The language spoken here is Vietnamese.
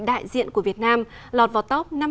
đại diện của việt nam lọt vào top